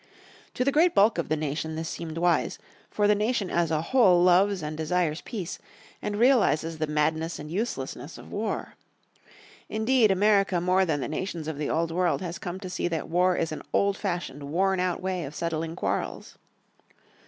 To the great bulk of the nation this seemed wise, for the nation as a whole loves and desires peace, and realizes the madness and uselessness of war. Indeed America more than the nations of the Old World has come to see the war is an old fashioned, worn out way of settling quarrels.